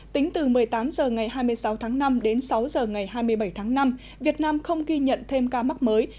tính từ một mươi tám h ngày hai mươi sáu tháng năm đến sáu h ngày hai mươi bảy tháng năm việt nam không ghi nhận thêm ca mắc mới